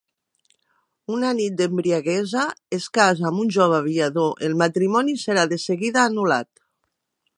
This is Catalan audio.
Una nit d'embriaguesa, es casa amb un jove aviador, el matrimoni serà de seguida anul·lat.